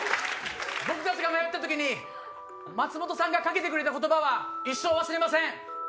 僕たちが迷った時に松本さんが掛けてくれた言葉は一生忘れません。